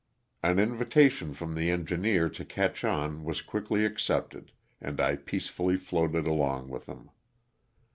An invitation from the engineer LOSS OF THE SULTAN^A. 243 to catch on was quickly accepted and I peacefully floated along with them.